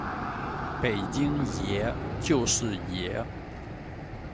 北京爷，就是爷！